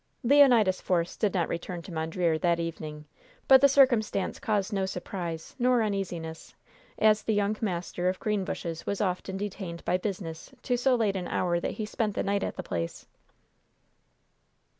Leonidas Force did not return to Mondreer that evening, but the circumstance caused no surprise nor uneasiness, as the young master of Greenbushes was often detained by business to so late an hour that he spent the night at the place.